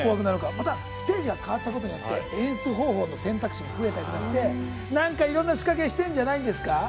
またステージが変わったことによって演出方法の選択肢が増えたりして何か、いろいろな仕掛けあるんじゃないですか？